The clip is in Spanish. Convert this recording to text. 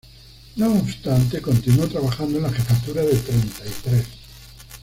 No obstante continuó trabajando en la jefatura de Treinta y Tres.